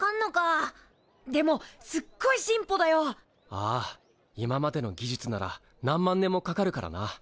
ああ今までの技術なら何万年もかかるからな。